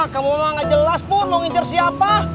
kamu emang gak jelas pur mau ngincer siapa